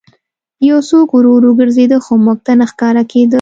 یو څوک ورو ورو ګرځېده خو موږ ته نه ښکارېده